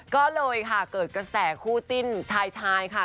ก็เลยค่ะเกิดกระแสคู่จิ้นชายชายค่ะ